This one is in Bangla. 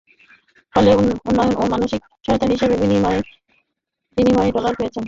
ফলে উন্নয়ন ও মানবিক সহায়তা হিসেবে বিলিয়ন বিলিয়ন ডলার পেয়েছে।